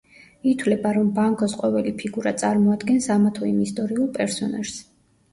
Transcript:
ითვლება, რომ ბანქოს ყოველი ფიგურა წარმოადგენს ამა თუ იმ ისტორიულ პერსონაჟს.